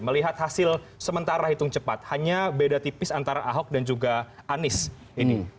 melihat hasil sementara hitung cepat hanya beda tipis antara ahok dan juga anies ini